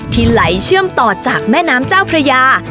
ไหลเชื่อมต่อจากแม่น้ำเจ้าพระยา